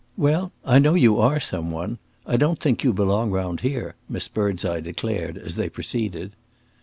"Well, I know you are some one; I don't think you belong round here," Miss Birdseye declared, as they proceeded.